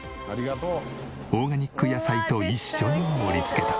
オーガニック野菜と一緒に盛り付けた。